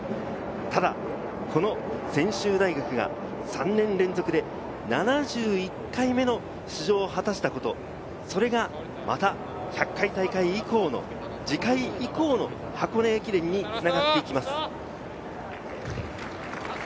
ただこの専修大学が３年連続で７１回目の出場を果たしたこと、それがまた１００回大会以降の、次回以降の箱根駅伝に繋がっていきます。